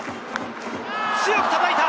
強くたたいた！